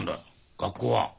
学校は。